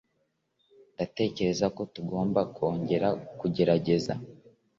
Ndatekereza ko tugomba kongera kugerageza.